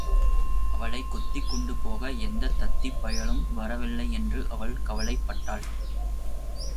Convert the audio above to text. அவளைக் கொத்திக்கொண்டு போக எந்தத் தத்திப் பையலும் வரவில்லை என்று அவள் கவலைப் பட்டாள்.